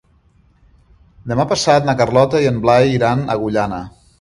Demà passat na Carlota i en Blai iran a Agullana.